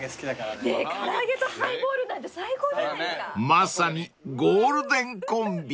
［まさにゴールデンコンビ］